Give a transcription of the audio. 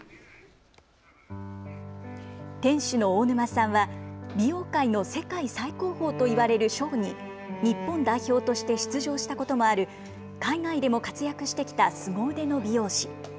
店主の大沼さんは美容界の世界最高峰といわれるショーに日本代表として出場したこともある海外でも活躍してきたすご腕の美容師。